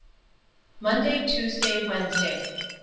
Monday, Tuesday, Wednesday.